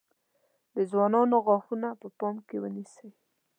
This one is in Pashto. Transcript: د ځوانانو غاښونه په پام کې ونیسئ.